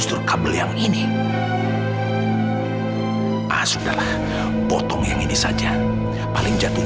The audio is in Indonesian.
kenapa kamu ada keluhan sakit atau apa ah enggak dokter tapi kalau setiap saya ngeliat dokter